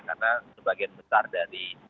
karena sebagian besar dari